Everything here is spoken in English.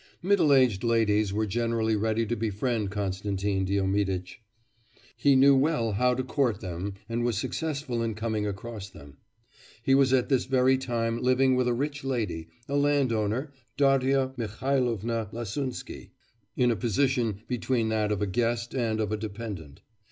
Middle aged ladies were generally ready to befriend Konstantin Diomiditch; he knew well how to court them and was successful in coming across them. He was at this very time living with a rich lady, a landowner, Darya Mihailovna Lasunsky, in a position between that of a guest and of a dependant.